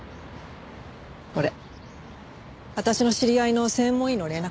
これ私の知り合いの専門医の連絡先。